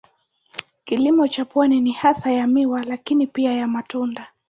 Kilimo cha pwani ni hasa ya miwa lakini pia ya matunda.